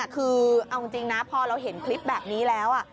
คือเอาจริงนะพอเราเห็นคลิปแบบนี้แล้ว